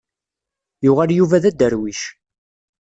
Yuɣal Yuba d aderwic.